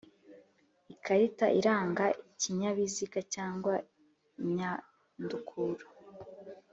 Ikarita iranga ikinyabiziga cyangwa inyandukuro